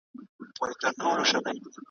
په رڼو سترګو چي خوب کړي دا پر مړو حسابیږي `